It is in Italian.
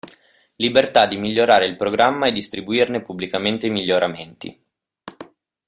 Libertà di migliorare il programma e distribuirne pubblicamente i miglioramenti.